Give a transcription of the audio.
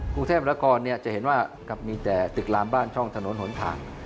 กรุงเทพนครจะเห็นว่ามีแต่ตึกลามบ้านช่องถนนหนทาง